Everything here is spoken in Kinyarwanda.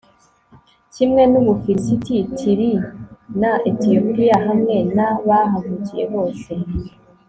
kimwe n'ubufilisiti, tiri na etiyopiya.hamwe n'abahavukiye bose